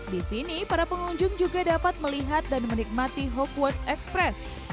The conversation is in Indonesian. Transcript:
di sini para pengunjung juga dapat melihat dan menikmati hopewarts express